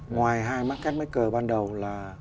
ngoài hai market maker ban đầu là